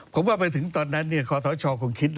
ผมว่าไปถึงตอนนั้นขอสาวชอบคงคิด